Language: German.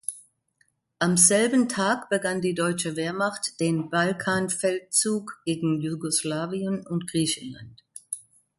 Am selben Tag begann die deutsche Wehrmacht den Balkanfeldzug gegen Jugoslawien und Griechenland.